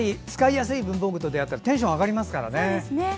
使いやすい文房具と出会ったらテンション上がりますからね。